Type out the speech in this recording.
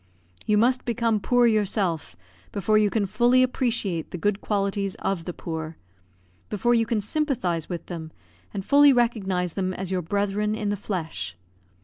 You must become poor yourself before you can fully appreciate the good qualities of the poor before you can sympathise with them, and fully recognise them as your brethren in the flesh.